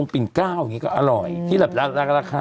ปั้งที่ปั้งจะอยู่ป่ะ